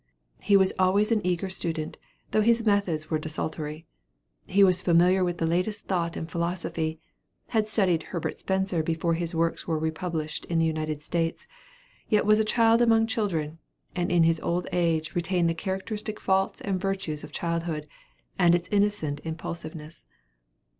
He was always an eager student, though his methods were desultory. He was familiar with the latest thought in philosophy, had studied Herbert Spencer before his works were republished in the United States, yet was a child among children, and in his old age retained the characteristic faults and virtues of childhood, and its innocent impulsiveness.